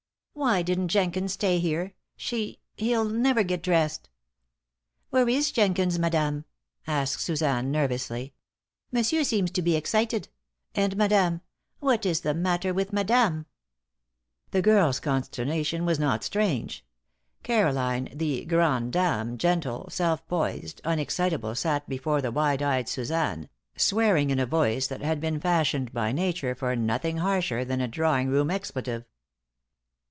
"Why didn't Jenkins stay here? She he'll never get dressed!" "Where is Jenkins, madame?" asked Suzanne, nervously. "Monsieur seems to be excited. And madame what is the matter with madame?" The girl's consternation was not strange. Caroline, the grand dame, gentle, self poised, unexcitable, sat before the wide eyed Suzanne, swearing in a voice that had been fashioned by nature for nothing harsher than a drawing room expletive.